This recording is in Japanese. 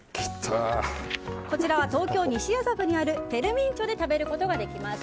こちらは東京・西麻布にあるフェルミンチョで食べることができます。